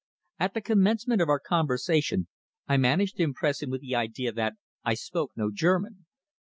At the commencement of our conversation, I managed to impress him with the idea that I spoke no German.